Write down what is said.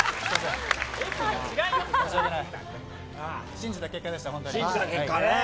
信じた結果でした。